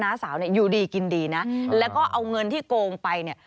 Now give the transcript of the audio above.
้าสาวเนี่ยอยู่ดีกินดีนะแล้วก็เอาเงินที่โกงไปเนี่ย